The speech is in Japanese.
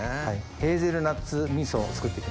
ヘーゼルナッツ味噌を作って行きます。